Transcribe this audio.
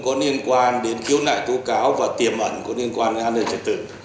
có liên quan đến khiếu nại tố cáo và tiềm ẩn có liên quan đến an ninh trật tự